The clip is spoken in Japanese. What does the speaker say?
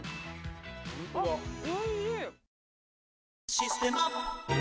「システマ」